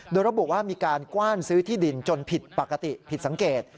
โดยระบุว่ามีการกว้านซื้อที่ดินจนผิดปกติผิดสังเกต